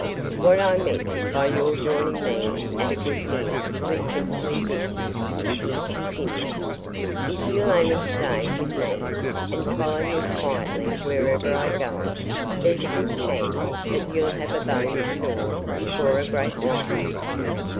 "What I meant by your joining me at a good meal was simply this," he continued: "If you'll only stay with me, and follow me quietly wherever I go, there's a good chance that you'll have a bone to gnaw before a great while."